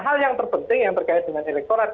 hal yang terpenting yang terkait dengan elektorat